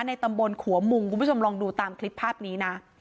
ในตำบลขัวมุงคุณผู้ชมลองดูตามคลิปภาพนี้นะ